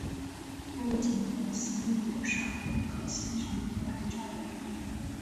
该景点吸引不少顾客欣赏和拍照留念。